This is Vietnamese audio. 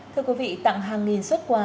thưa quý vị tặng hàng nghìn suất quà